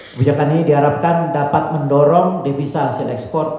kebijakan ini diharapkan dapat mendorong devisa hasil ekspor